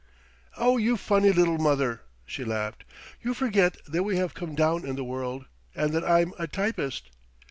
"Oh, you funny little mother!" she laughed. "You forget that we have come down in the world, and that I'm a typist."